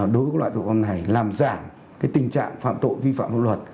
đối với loại tội phạm này làm giảm tình trạng phạm tội vi phạm pháp luật